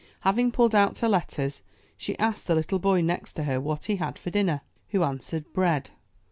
Having pulled out her letters, she asked the little boy next her what he had for dinner. Who answered, ''Bread.